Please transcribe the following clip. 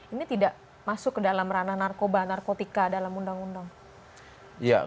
ini tidak masuk ke dalam ranah narkoba narkotika dalam undang undang